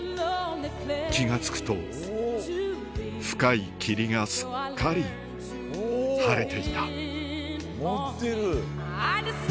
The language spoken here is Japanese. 気が付くと深い霧がすっかり晴れていた持ってる。